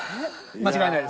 間違いないです